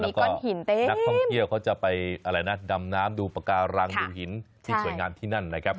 แล้วก็นักท่องเที่ยวเขาจะไปอะไรนะดำน้ำดูปากการังดูหินที่สวยงามที่นั่นนะครับ